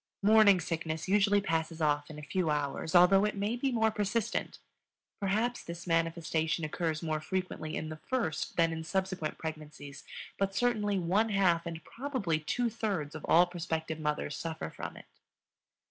"Morning sickness" usually passes off in a few hours, although it may be more persistent. Perhaps this manifestation occurs more frequently in the first than in subsequent pregnancies, but certainly one half, and probably two thirds, of all prospective mothers suffer from it.